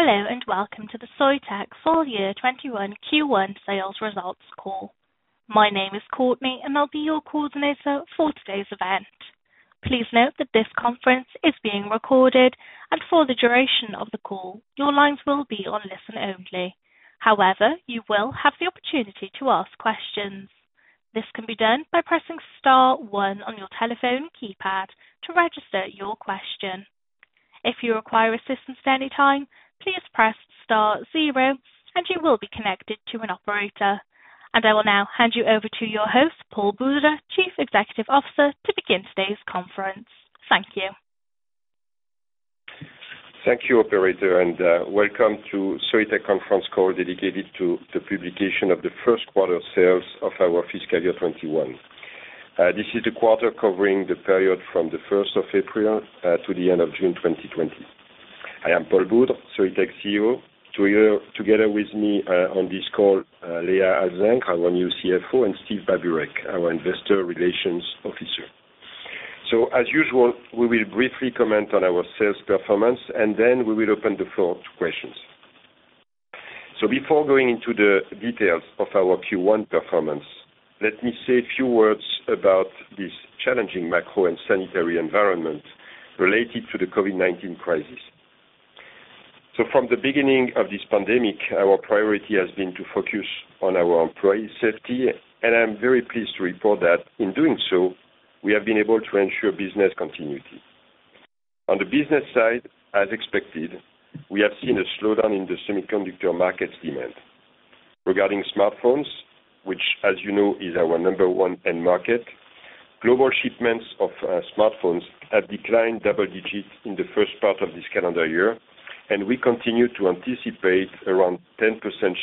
Hello and welcome to the Soitec Full Year 2021 Q1 Sales Results Call. My name is Courtney, and I'll be your coordinator for today's event. Please note that this conference is being recorded, and for the duration of the call, your lines will be on listen only. However, you will have the opportunity to ask questions. This can be done by pressing star one on your telephone keypad to register your question. If you require assistance at any time, please press star zero, and you will be connected to an operator. And I will now hand you over to your host, Paul Boudre, Chief Executive Officer, to begin today's conference. Thank you. Thank you, Operator, and welcome to Soitec Conference Call dedicated to the publication of the first quarter sales of our fiscal year 2021. This is the quarter covering the period from the 1st of April to the end of June 2020. I am Paul Boudre, Soitec CEO. Together with me on this call, Léa Alzingre, our new CFO, and Steve Babureck, our investor relations officer. So, as usual, we will briefly comment on our sales performance, and then we will open the floor to questions. So, before going into the details of our Q1 performance, let me say a few words about this challenging macro and sanitary environment related to the COVID-19 crisis. So, from the beginning of this pandemic, our priority has been to focus on our employee safety, and I'm very pleased to report that in doing so, we have been able to ensure business continuity. On the business side, as expected, we have seen a slowdown in the semiconductor market demand. Regarding smartphones, which, as you know, is our number one end market, global shipments of smartphones have declined double digits in the first part of this calendar year, and we continue to anticipate around 10%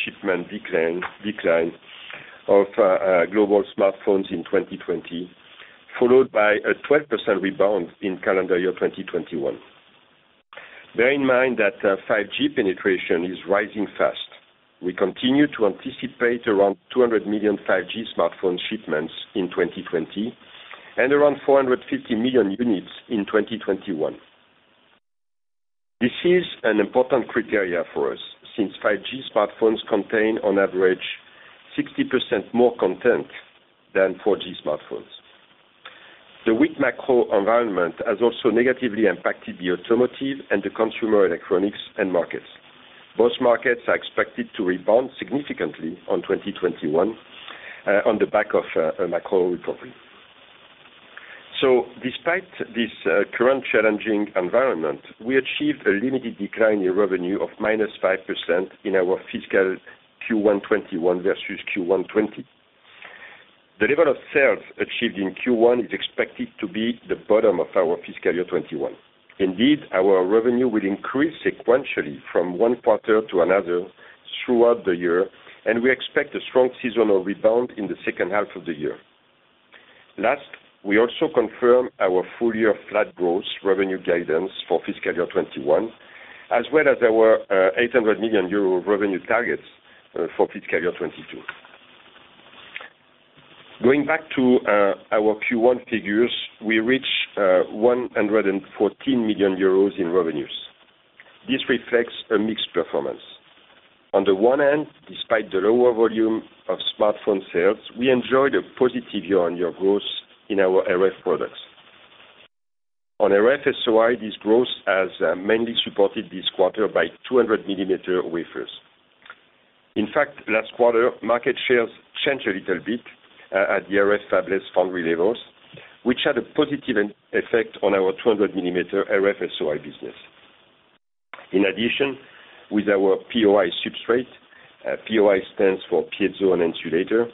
shipment decline of global smartphones in 2020, followed by a 12% rebound in calendar year 2021. Bear in mind that 5G penetration is rising fast. We continue to anticipate around 200 million 5G smartphone shipments in 2020 and around 450 million units in 2021. This is an important criteria for us since 5G smartphones contain, on average, 60% more content than 4G smartphones. The weak macro environment has also negatively impacted the automotive and the consumer electronics end markets. Both markets are expected to rebound significantly in 2021 on the back of a macro recovery. Despite this current challenging environment, we achieved a limited decline in revenue of −5% in our fiscal Q1 2021 versus Q1 2020. The level of sales achieved in Q1 is expected to be the bottom of our fiscal year 2021. Indeed, our revenue will increase sequentially from one quarter to another throughout the year, and we expect a strong seasonal rebound in the second half of the year. Last, we also confirmed our full-year flat growth revenue guidance for fiscal year 2021, as well as our 800 million euro revenue targets for fiscal year 2022. Going back to our Q1 figures, we reached 114 million euros in revenues. This reflects a mixed performance. On the one hand, despite the lower volume of smartphone sales, we enjoyed a positive year-on-year growth in our RF products. On RF-SOI, this growth has mainly supported this quarter by 200 mm wafers. In fact, last quarter, market shares changed a little bit at the RF fabless foundry levels, which had a positive effect on our 200 millimeter RF-SOI business. In addition, with our POI substrate, POI stands for Piezo on Insulator,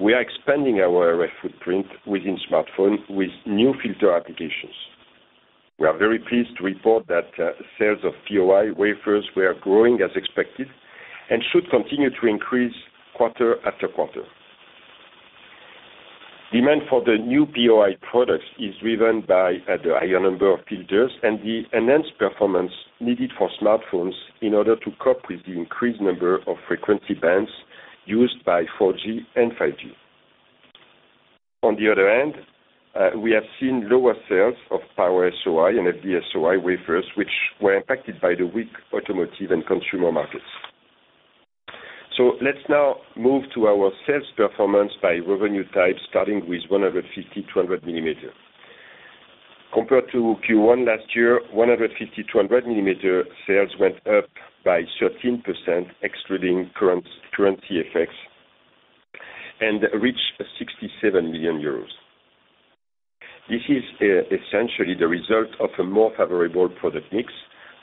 we are expanding our RF footprint within smartphones with new filter applications. We are very pleased to report that sales of POI wafers were growing as expected and should continue to increase quarter after quarter. Demand for the new POI products is driven by the higher number of filters and the enhanced performance needed for smartphones in order to cope with the increased number of frequency bands used by 4G and 5G. On the other hand, we have seen lower sales of Power-SOI and FD-SOI wafers, which were impacted by the weak automotive and consumer markets. Let's now move to our sales performance by revenue type, starting with 150 mm-200 mm. Compared to Q1 last year, 150 mm-200 mm sales went up by 13% excluding currency effects and reached 67 million euros. This is essentially the result of a more favorable product mix.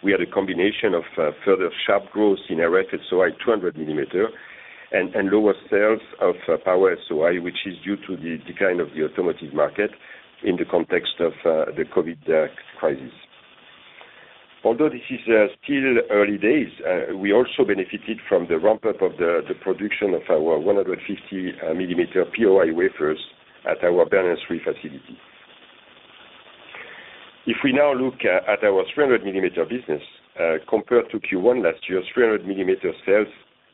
We had a combination of further sharp growth in RF-SOI 200 mm and lower sales of Power-SOI, which is due to the decline of the automotive market in the context of the COVID crisis. Although this is still early days, we also benefited from the ramp-up of the production of our 150 mm POI wafers at our Bernin facility. If we now look at our 300 mm business, compared to Q1 last year, 300 mm sales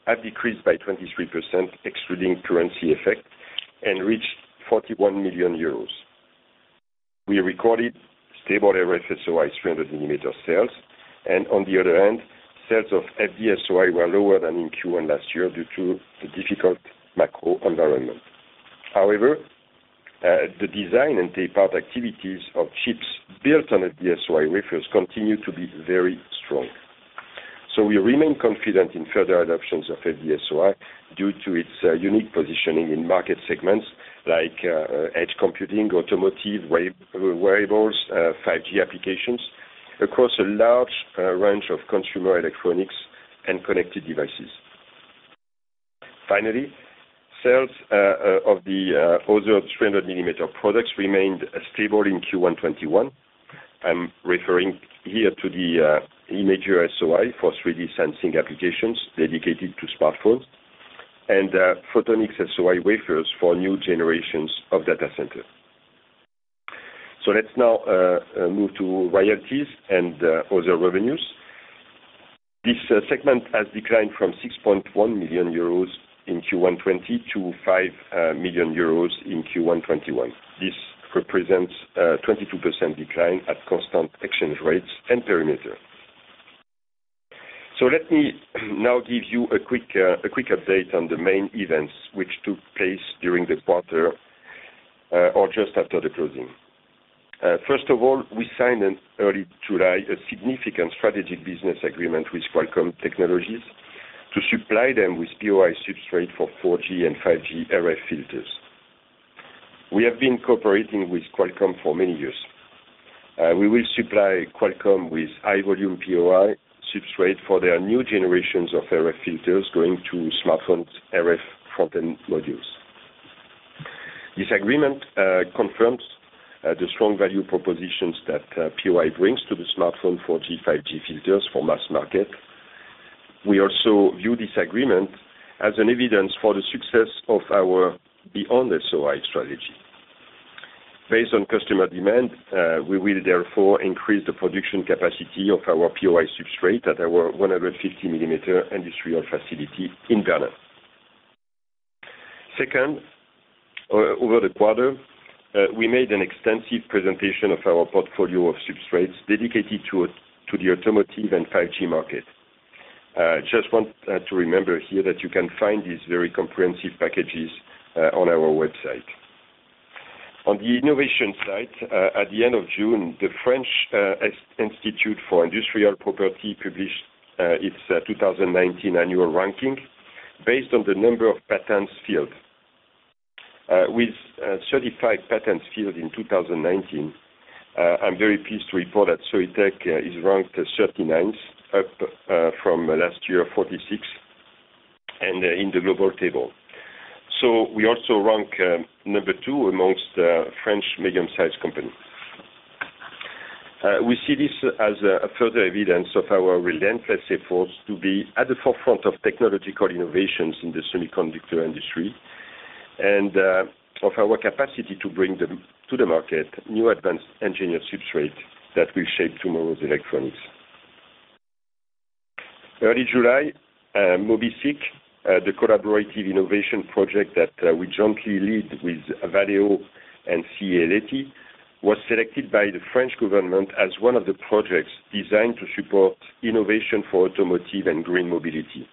have decreased by 23% excluding currency effects and reached 41 million euros. We recorded stable RF-SOI 300-mm sales, and on the other hand, sales of FD-SOI were lower than in Q1 last year due to the difficult macro environment. However, the design and tape-out activities of chips built on FD-SOI wafers continue to be very strong. So, we remain confident in further adoptions of FD-SOI due to its unique positioning in market segments like Edge Computing, Automotive Wearables, 5G Applications across a large range of consumer electronics and connected devices. Finally, sales of the other 300-mm products remained stable in Q1 2021. I'm referring here to the Imager-SOI for 3D sensing applications dedicated to smartphones and Photonics-SOI wafers for new generations of data centers. So, let's now move to royalties and other revenues. This segment has declined from 6.1 million euros in Q1 2020 to 5 million euros in Q1 2021. This represents a 22% decline at constant exchange rates and perimeter. So, let me now give you a quick update on the main events which took place during the quarter or just after the closing. First of all, we signed in early July a significant strategic business agreement with Qualcomm Technologies to supply them with POI substrate for 4G and 5G RF filters. We have been cooperating with Qualcomm for many years. We will supply Qualcomm with high-volume POI substrate for their new generations of RF filters going to smartphones' RF front-end modules. This agreement confirms the strong value propositions that POI brings to the smartphone 4G/5G filters for mass market. We also view this agreement as evidence for the success of our beyond SOI strategy. Based on customer demand, we will therefore increase the production capacity of our POI substrate at our 150 mm industrial facility in Bernin. Second, over the quarter, we made an extensive presentation of our portfolio of substrates dedicated to the automotive and 5G market. Just want to remember here that you can find these very comprehensive packages on our website. On the innovation side, at the end of June, the French Institute for Industrial Property published its 2019 annual ranking based on the number of patents filed. With 35 patents filed in 2019, I'm very pleased to report that Soitec is ranked 39th, up from last year 46th in the global table. So, we also rank number two amongst French medium-sized companies. We see this as further evidence of our relentless efforts to be at the forefront of technological innovations in the semiconductor industry and of our capacity to bring to the market new advanced engineered substrates that will shape tomorrow's electronics. Early July, MobiSiC, the collaborative innovation project that we jointly lead with Valeo and CEA-Leti, was selected by the French government as one of the projects designed to support innovation for automotive and green mobility.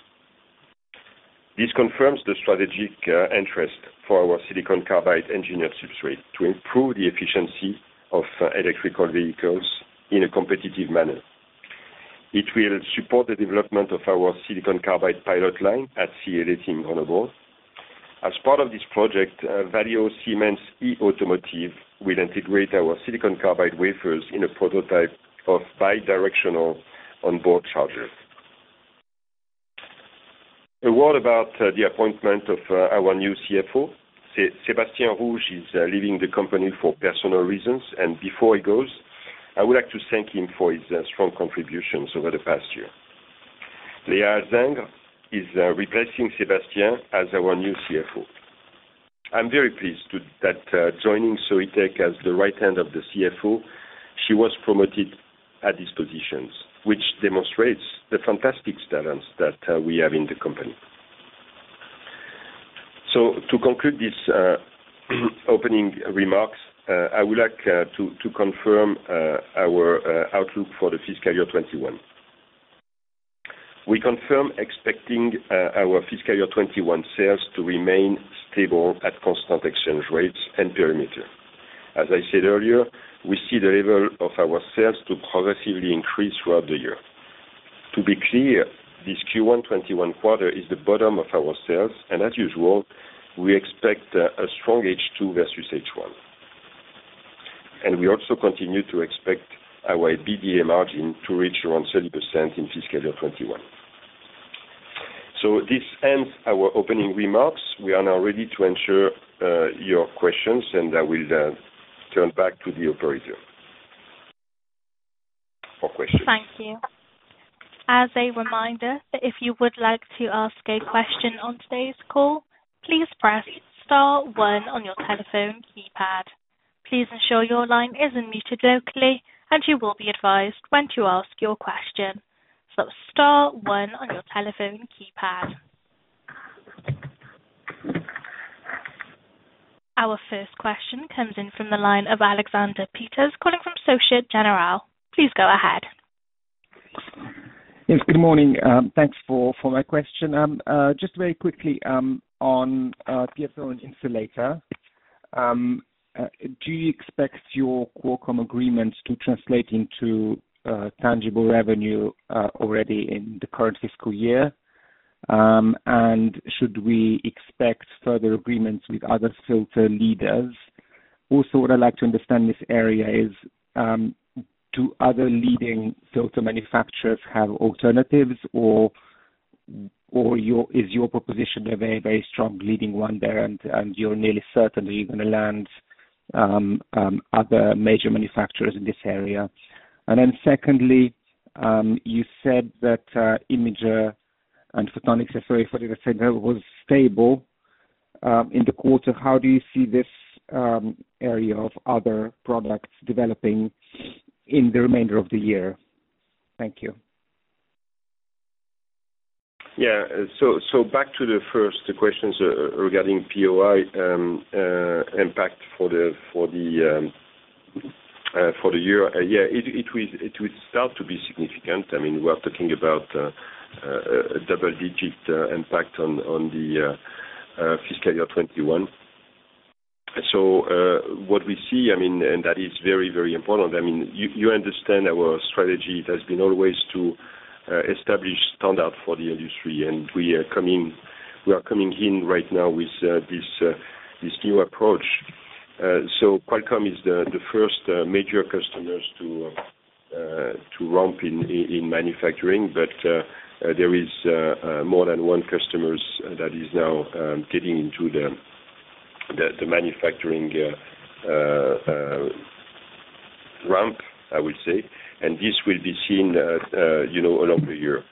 This confirms the strategic interest for our Silicon Carbide Engineered Substrate to improve the efficiency of electric vehicles in a competitive manner. It will support the development of our Silicon Carbide Pilot Line at CEA-Leti in Grenoble. As part of this project, Valeo Siemens e-Automotive will integrate our Silicon Carbide wafers in a prototype of bi-directional onboard charger. A word about the appointment of our new CFO. Sébastien Rouge is leaving the company for personal reasons, and before he goes, I would like to thank him for his strong contributions over the past year. Léa Alzingre is replacing Sébastien as our new CFO. I'm very pleased that joining Soitec as the right-hand of the CFO, she was promoted at these positions, which demonstrates the fantastic talents that we have in the company. To conclude these opening remarks, I would like to confirm our outlook for the fiscal year 2021. We confirm expecting our fiscal year 2021 sales to remain stable at constant exchange rates and perimeter. As I said earlier, we see the level of our sales to progressively increase throughout the year. To be clear, this Q1 2021 quarter is the bottom of our sales, and as usual, we expect a strong H2 versus H1. We also continue to expect our EBITDA margin to reach around 30% in fiscal year 2021. This ends our opening remarks. We are now ready to answer your questions, and I will turn back to the operator for questions. Thank you. As a reminder, if you would like to ask a question on today's call, please press star one on your telephone keypad. Please ensure your line isn't muted locally, and you will be advised when to ask your question. So, star one on your telephone keypad. Our first question comes in from the line of Aleksander Peterc calling from Société Générale. Please go ahead. Yes, good morning. Thanks for my question. Just very quickly on POI insulator, do you expect your Qualcomm agreements to translate into tangible revenue already in the current fiscal year? And should we expect further agreements with other filter leaders? Also, what I'd like to understand in this area is, do other leading filter manufacturers have alternatives, or is your proposition a very, very strong leading one there, and you're nearly certain that you're going to land other major manufacturers in this area? And then secondly, you said that Imager-SOI and Photonics-SOI 40% was stable in the quarter. How do you see this area of other products developing in the remainder of the year? Thank you. Yeah. So, back to the first questions regarding POI impact for the year. Yeah, it will start to be significant. I mean, we are talking about a double-digit impact on the fiscal year 2021. So, what we see, I mean, and that is very, very important, I mean, you understand our strategy has been always to establish standards for the industry, and we are coming in right now with this new approach. So, Qualcomm is the first major customer to ramp in manufacturing, but there is more than one customer that is now getting into the manufacturing ramp, I would say, and this will be seen along the year.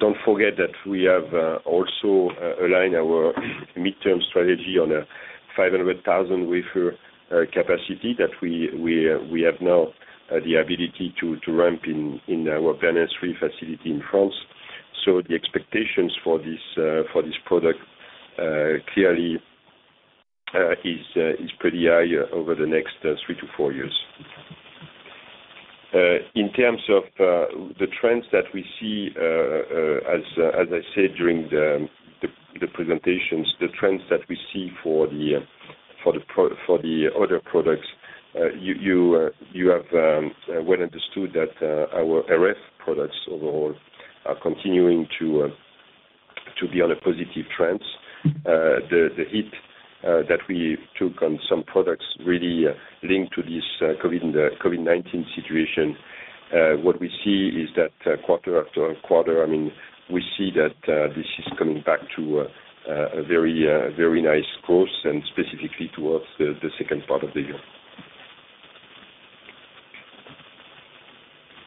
Don't forget that we have also aligned our midterm strategy on a 500,000 wafer capacity that we have now the ability to ramp in our Bernin facility in France. So, the expectations for this product clearly are pretty high over the next three to four years. In terms of the trends that we see, as I said during the presentations, the trends that we see for the other products, you have well understood that our RF products overall are continuing to be on a positive trend. The hit that we took on some products really linked to this COVID-19 situation. What we see is that quarter after quarter, I mean, we see that this is coming back to a very nice growth and specifically towards the second part of the year.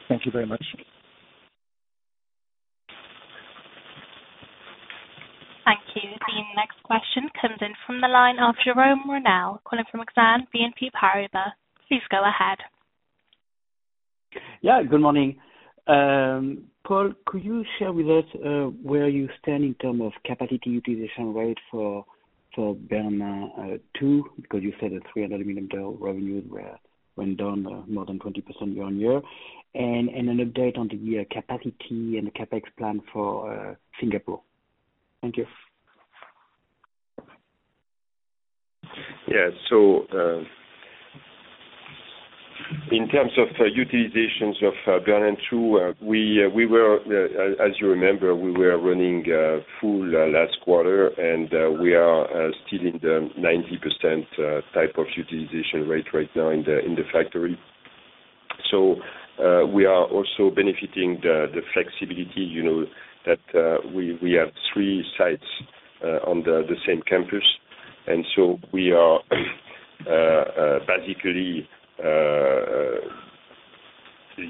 Thank you very much. Thank you. The next question comes in from the line of Jerome Ramel calling from Exane BNP Paribas. Please go ahead. Yeah, good morning. Paul, could you share with us where you stand in terms of capacity utilization rate for Bernin 2? Because you said the 300 millimeter revenues were up more than 20% year on year. And an update on the capacity and the CapEx plan for Singapore. Thank you. Yeah. So, in terms of utilizations of Bernin 2, as you remember, we were running full last quarter, and we are still in the 90% type of utilization rate right now in the factory. So, we are also benefiting the flexibility that we have three sites on the same campus. And so, we are basically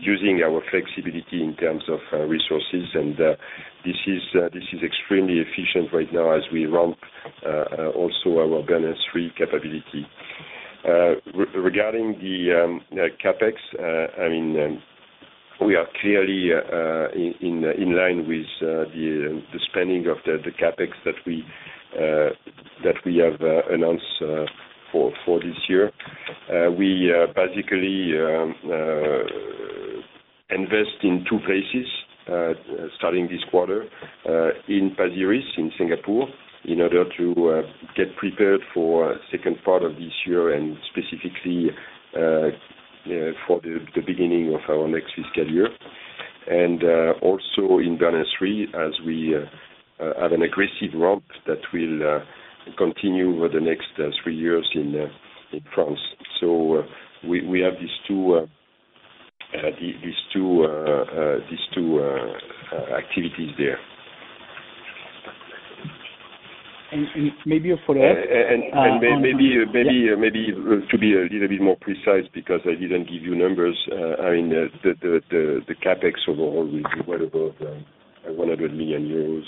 using our flexibility in terms of resources, and this is extremely efficient right now as we ramp also our Bernin 3 capability. Regarding the CapEx, I mean, we are clearly in line with the spending of the CapEx that we have announced for this year. We basically invest in two places starting this quarter: in Pasir Ris in Singapore in order to get prepared for the second part of this year and specifically for the beginning of our next fiscal year. Also in Bernin 3, as we have an aggressive ramp that will continue over the next three years in France. We have these two activities there. Maybe you follow up? Maybe to be a little bit more precise because I didn't give you numbers, I mean, the CapEx overall will be well above 100 million euros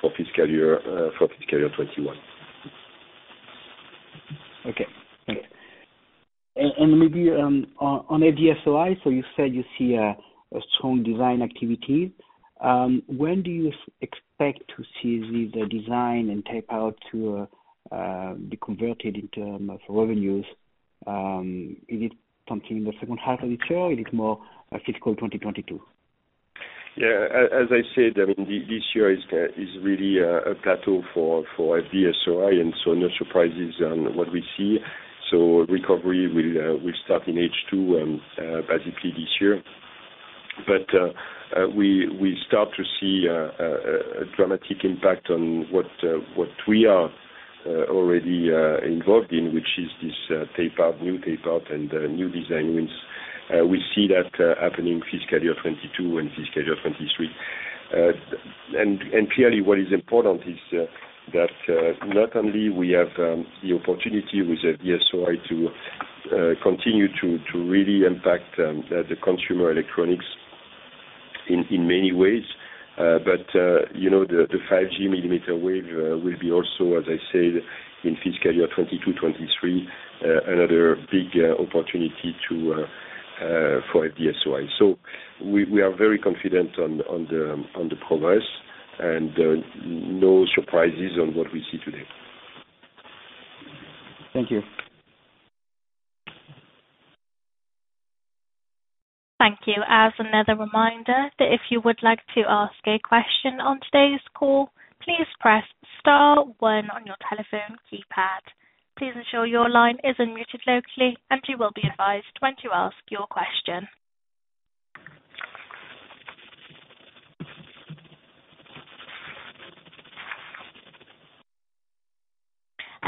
for fiscal year 2021. Okay. Thanks. And maybe on the SOI, so you said you see a strong design activity. When do you expect to see the design and tape out to be converted in terms of revenues? Is it something in the second half of this year or is it more fiscal 2022? Yeah. As I said, I mean, this year is really a plateau for the SOI, and so no surprises on what we see. So, recovery will start in H2 basically this year. But we start to see a dramatic impact on what we are already involved in, which is this new tape out and new design wins. We see that happening fiscal year 2022 and fiscal year 2023. And clearly, what is important is that not only do we have the opportunity with the SOI to continue to really impact the consumer electronics in many ways, but the 5G millimeter wave will be also, as I said, in fiscal year 2022 2023, another big opportunity for the SOI. So, we are very confident on the progress and no surprises on what we see today. Thank you. Thank you. As another reminder, if you would like to ask a question on today's call, please press star one on your telephone keypad. Please ensure your line isn't muted locally, and you will be advised when to ask your question.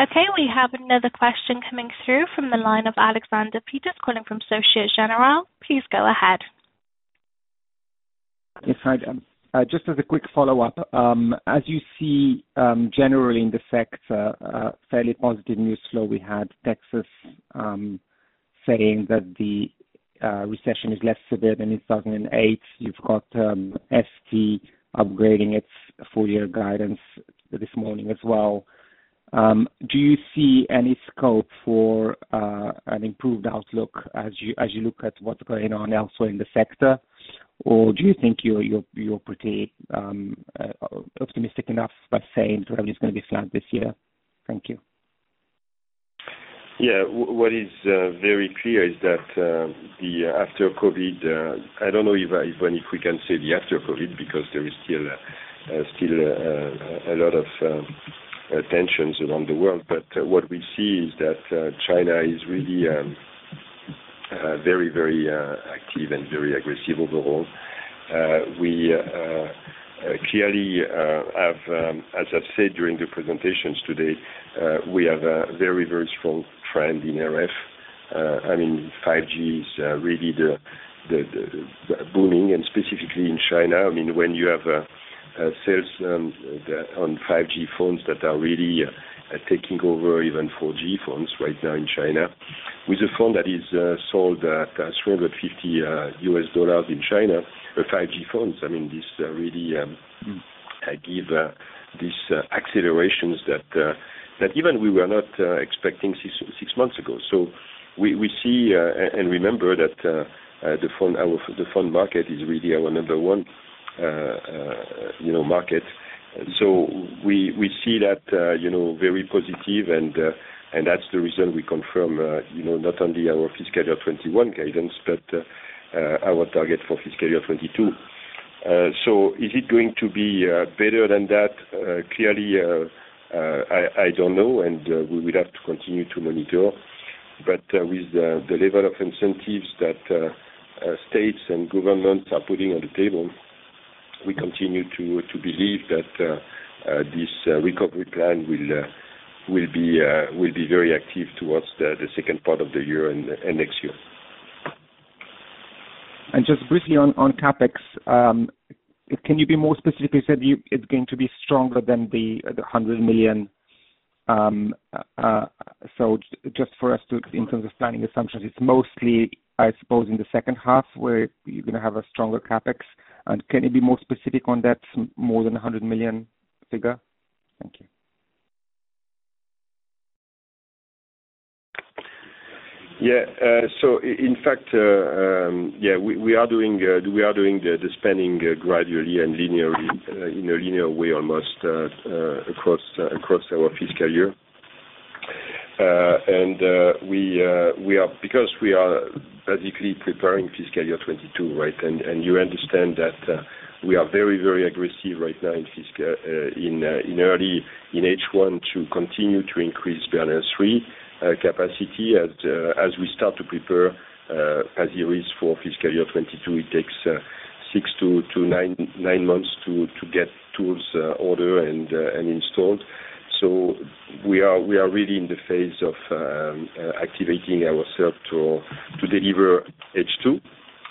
Okay. We have another question coming through from the line of Aleksander Peterc calling from Société Générale. Please go ahead. Yes, just as a quick follow-up, as you see generally in the sector, fairly positive news flow we had. Texas saying that the recession is less severe than in 2008. You've got ST upgrading its four-year guidance this morning as well. Do you see any scope for an improved outlook as you look at what's going on elsewhere in the sector, or do you think you're pretty optimistic enough by saying the revenue is going to be flat this year? Thank you. Yeah. What is very clear is that after COVID, I don't know if we can say the after COVID because there is still a lot of tensions around the world, but what we see is that China is really very, very active and very aggressive overall. We clearly have, as I've said during the presentations today, we have a very, very strong trend in RF. I mean, 5G is really booming, and specifically in China. I mean, when you have sales on 5G phones that are really taking over even 4G phones right now in China, with a phone that is sold at $350 in China, the 5G phones, I mean, these really give these accelerations that even we were not expecting six months ago. So, we see and remember that the phone market is really our number one market. So, we see that very positive, and that's the reason we confirm not only our fiscal year 2021 guidance, but our target for fiscal year 2022. So, is it going to be better than that? Clearly, I don't know, and we would have to continue to monitor. But with the level of incentives that states and governments are putting on the table, we continue to believe that this recovery plan will be very active towards the second part of the year and next year. Just briefly on CapEx, can you be more specific? You said it's going to be stronger than 100 million. Just for us to, in terms of planning assumptions, it's mostly, I suppose, in the second half where you're going to have a stronger CapEx. Can you be more specific on that more than 100 million figure? Thank you. Yeah. So, in fact, yeah, we are doing the spending gradually and linearly in a linear way almost across our fiscal year. And because we are basically preparing fiscal year 2022, right, and you understand that we are very, very aggressive right now early in H1 to continue to increase Bernin 3 capacity. As we start to prepare Pasir Ris for fiscal year 2022, it takes six-to-nine months to get tools ordered and installed. So, we are really in the phase of activating ourselves to deliver H2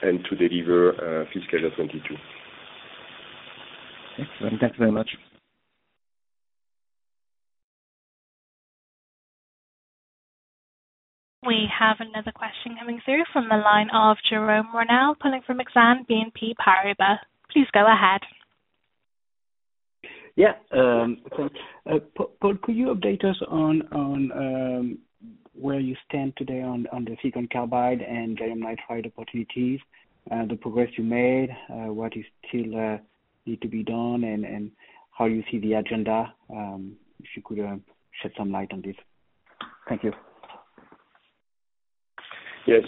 and to deliver fiscal year 2022. Excellent. Thanks very much. We have another question coming through from the line of Jerome Ramel calling from Exane BNP Paribas. Please go ahead. Yeah. Paul, could you update us on where you stand today on the silicon carbide and gallium nitride opportunities, the progress you made, what you still need to be done, and how you see the agenda if you could shed some light on this? Thank you. Yes.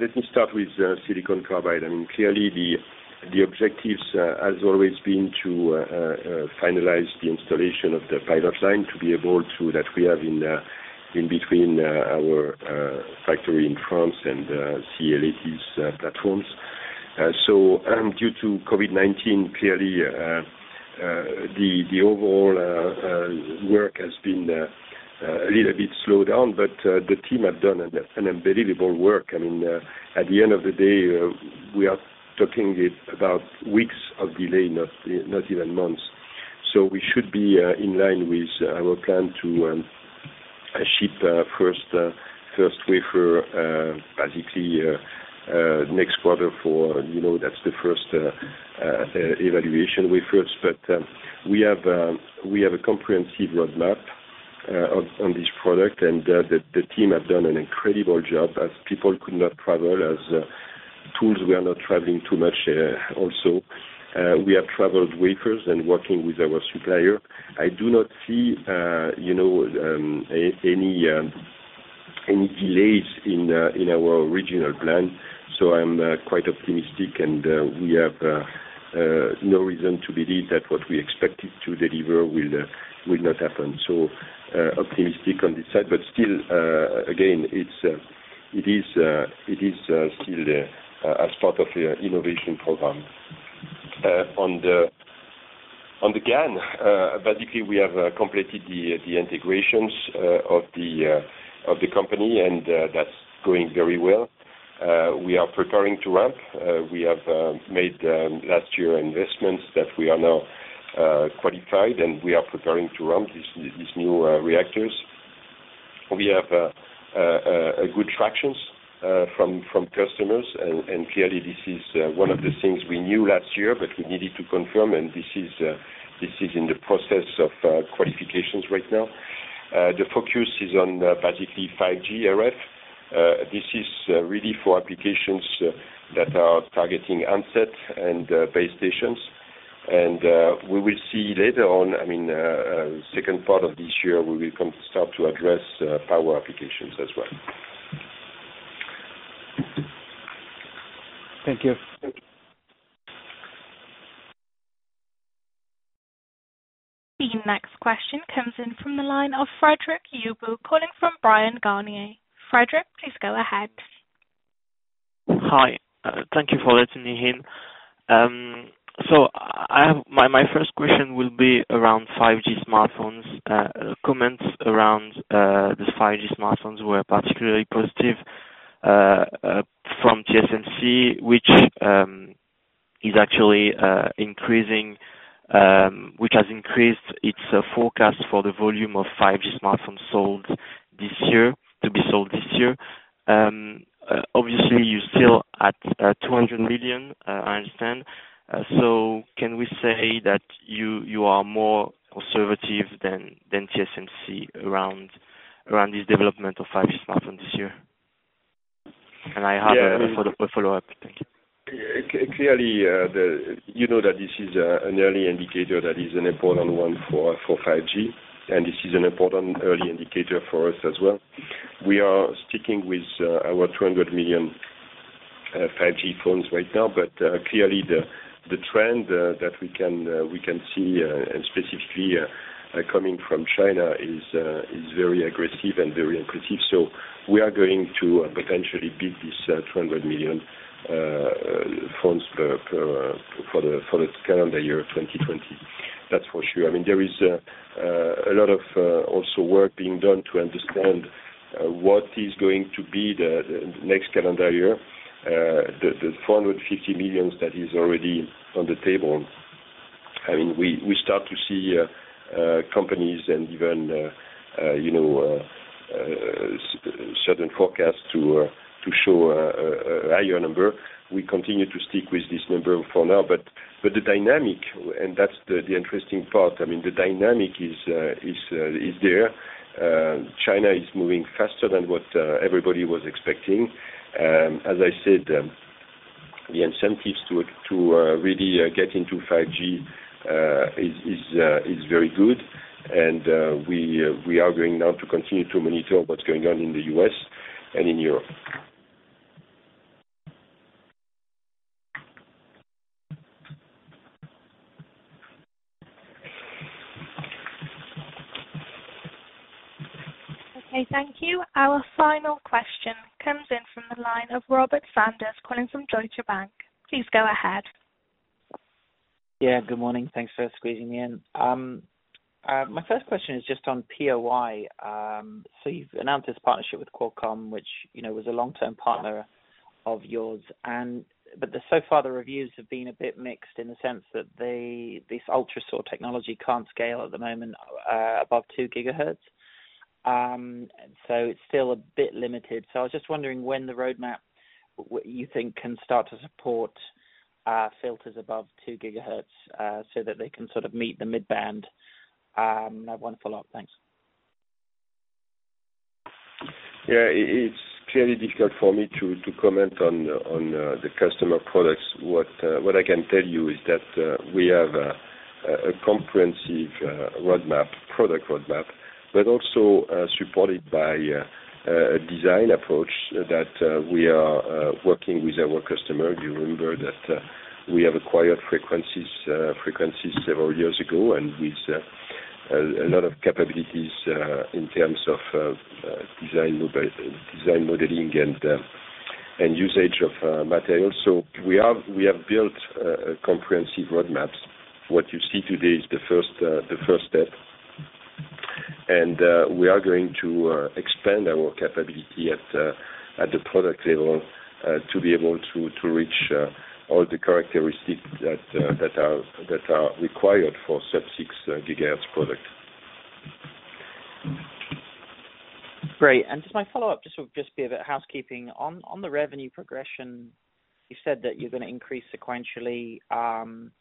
Let me start with silicon carbide. I mean, clearly, the objectives have always been to finalize the installation of the pilot line to be able to that we have in between our factory in France and CEA-Leti's platforms. So, due to COVID-19, clearly, the overall work has been a little bit slowed down, but the team has done an unbelievable work. I mean, at the end of the day, we are talking about weeks of delay, not even months. So, we should be in line with our plan to ship first wafer basically next quarter for that's the first evaluation wafers. But we have a comprehensive roadmap on this product, and the team has done an incredible job as people could not travel, as tools were not traveling too much also. We have traveled wafers and working with our supplier. I do not see any delays in our original plan. So, I'm quite optimistic, and we have no reason to believe that what we expected to deliver will not happen. So, optimistic on this side. But still, again, it is still as part of the innovation program. On the GaN, basically, we have completed the integrations of the company, and that's going very well. We are preparing to ramp. We have made last year investments that we are now qualified, and we are preparing to ramp these new reactors. We have good tractions from customers, and clearly, this is one of the things we knew last year, but we needed to confirm, and this is in the process of qualifications right now. The focus is on basically 5G RF. This is really for applications that are targeting handset and base stations. We will see later on, I mean, second part of this year, we will start to address power applications as well. Thank you. The next question comes in from the line of Frédéric Yoboué calling from Bryan Garnier. Frédéric, please go ahead. Hi. Thank you for letting me in. So, my first question will be around 5G smartphones. Comments around the 5G smartphones were particularly positive from TSMC, which is actually increasing, which has increased its forecast for the volume of 5G smartphones sold this year to be sold this year. Obviously, you're still at 200 million, I understand. So, can we say that you are more conservative than TSMC around this development of 5G smartphones this year? And I have a follow-up. Thank you. Clearly, you know that this is an early indicator that is an important one for 5G, and this is an important early indicator for us as well. We are sticking with our 200 million 5G phones right now, but clearly, the trend that we can see specifically coming from China is very aggressive and very impressive. So, we are going to potentially beat these 200 million phones for the calendar year 2020. That's for sure. I mean, there is a lot of also work being done to understand what is going to be the next calendar year. The 450 million that is already on the table, I mean, we start to see companies and even certain forecasts to show a higher number. We continue to stick with this number for now. But the dynamic, and that's the interesting part, I mean, the dynamic is there. China is moving faster than what everybody was expecting. As I said, the incentives to really get into 5G is very good, and we are going now to continue to monitor what's going on in the US and in Europe. Okay. Thank you. Our final question comes in from the line of Robert Sanders calling from Deutsche Bank. Please go ahead. Yeah. Good morning. Thanks for squeezing me in. My first question is just on POI. So, you've announced this partnership with Qualcomm, which was a long-term partner of yours. But so far, the reviews have been a bit mixed in the sense that this ultrasonic technology can't scale at the moment above 2 GHz. So, it's still a bit limited. So, I was just wondering when the roadmap you think can start to support filters above 2 GHz so that they can sort of meet the midband? No wonderful luck. Thanks. Yeah. It's clearly difficult for me to comment on the customer products. What I can tell you is that we have a comprehensive product roadmap, but also supported by a design approach that we are working with our customer. You remember that we have acquired Frec|n|sys several years ago and with a lot of capabilities in terms of design modeling and usage of materials. So, we have built comprehensive roadmaps. What you see today is the first step, and we are going to expand our capability at the product level to be able to reach all the characteristics that are required for sub-6 GHz products. Great. And just my follow-up, just be a bit of housekeeping. On the revenue progression, you said that you're going to increase sequentially from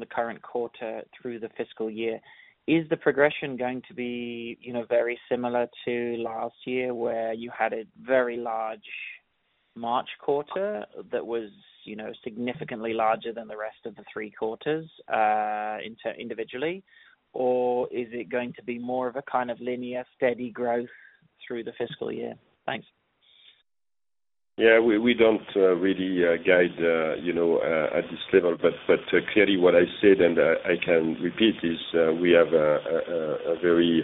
the current quarter through the fiscal year. Is the progression going to be very similar to last year where you had a very large March quarter that was significantly larger than the rest of the three quarters individually, or is it going to be more of a kind of linear steady growth through the fiscal year? Thanks. Yeah. We don't really guide at this level, but clearly, what I said, and I can repeat, is we have a very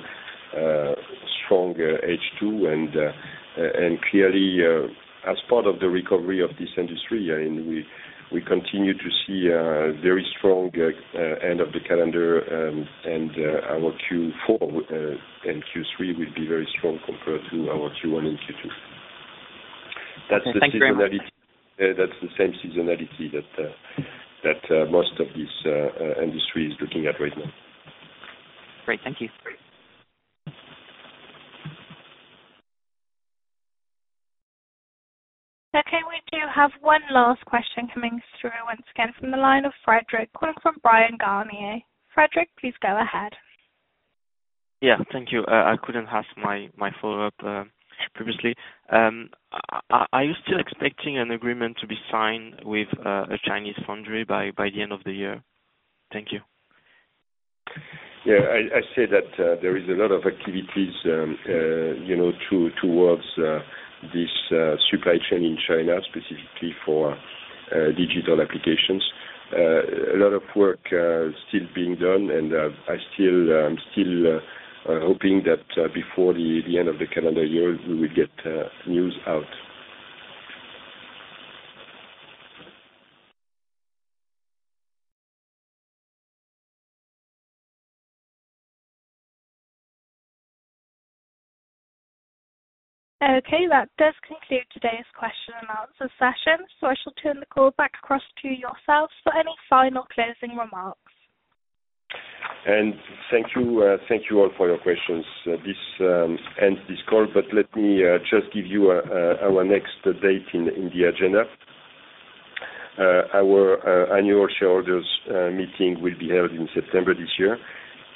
strong H2, and clearly, as part of the recovery of this industry, we continue to see a very strong end of the calendar, and our Q4 and Q3 will be very strong compared to our Q1 and Q2. That's the seasonality. That's the same seasonality that most of this industry is looking at right now. Great. Thank you. Okay. We do have one last question coming through once again from the line of Frédéric calling from Bryan Garnier. Frédéric, please go ahead. Yeah. Thank you. I couldn't ask my follow-up previously. Are you still expecting an agreement to be signed with a Chinese foundry by the end of the year? Thank you. Yeah. I said that there is a lot of activities towards this supply chain in China, specifically for digital applications. A lot of work is still being done, and I'm still hoping that before the end of the calendar year, we will get news out. Okay. That does conclude today's question and answer session. So, I shall turn the call back across to yourselves for any final closing remarks. Thank you all for your questions. This ends this call, but let me just give you our next date in the agenda. Our annual shareholders' meeting will be held in September this year,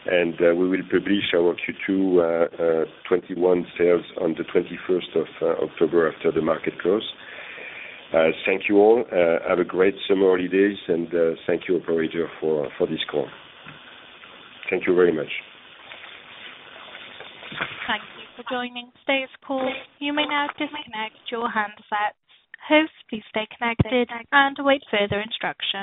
and we will publish our Q2 2021 sales on the 21st of October after the market close. Thank you all. Have a great summer holidays, and thank you, Operator, for this call. Thank you very much. Thank you for joining today's call. You may now disconnect your handsets. Hopefully, you stay connected and await further instructions.